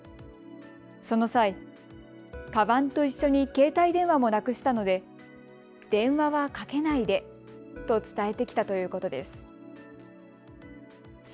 その際、かばんと一緒に携帯電話もなくしたので電話はかけないでと伝えてきたということです。